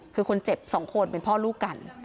คือคนเจ็บ๒คนเป็นพ่อลูกกัน